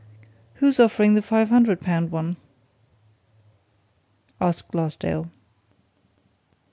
"Who's offering the five hundred pound one?" asked Glassdale.